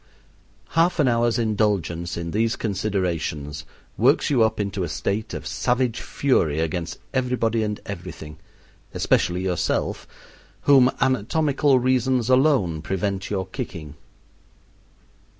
Half an hour's indulgence in these considerations works you up into a state of savage fury against everybody and everything, especially yourself, whom anatomical reasons alone prevent your kicking.